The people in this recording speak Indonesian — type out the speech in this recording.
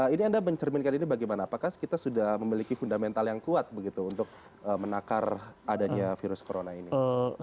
ini anda mencerminkan ini bagaimana apakah kita sudah memiliki fundamental yang kuat begitu untuk menakar adanya virus corona ini